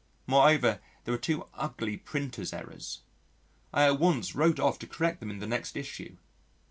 Moreover, there were two ugly printer's errors. I at once wrote off to correct them in the next issue.